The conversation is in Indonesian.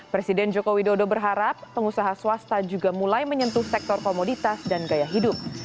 presiden joko widodo berharap pengusaha swasta juga mulai menyentuh sektor komoditas dan gaya hidup